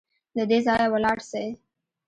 له دې ځايه ولاړ سئ